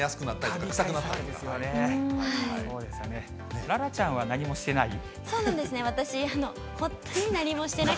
楽々ちゃんは何もしてない？